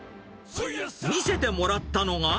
見せてもらったのが。